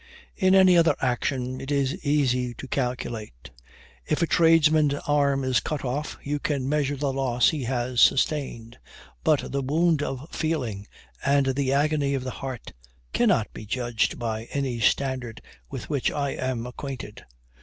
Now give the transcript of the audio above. In any other action it is easy to calculate. If a tradesman's arm is cut off, you can measure the loss he has sustained; but the wound of feeling, and the agony of the heart, cannot be judged by any standard with which I am acquainted.